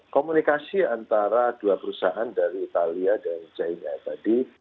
komunikasi antara dua perusahaan dari italia dan china tadi